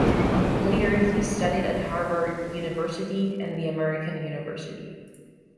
Later he studied at Harvard University and the American University.